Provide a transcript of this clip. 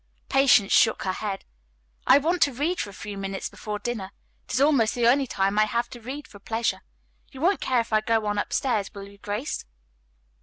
Patience shook her head. "I want to read for a few minutes before dinner. It is almost the only time I have to read for pleasure. You won't care if I go on upstairs, will you, Grace?"